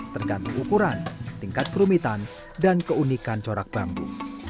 tergantung ukuran tingkat kerumitan dan keunikan corak bambu